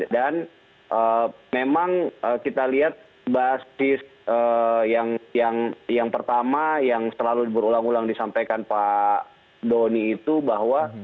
dan memang kita lihat basis yang pertama yang selalu berulang ulang disampaikan pak doni itu bahwa